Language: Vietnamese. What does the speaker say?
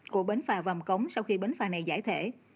của bến phà vàm cống sau khi bến phà này giải thể